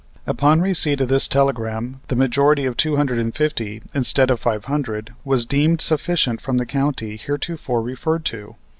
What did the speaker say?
Upon receipt of this telegram the majority of two hundred and fifty instead of five hundred was deemed sufficient from the county heretofore referred to.